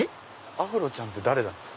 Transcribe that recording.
アフロちゃんって誰だろう？